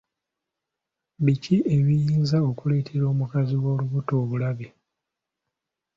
Biki ebiyinza okuleetera omukazi ow'olubuto obulabe?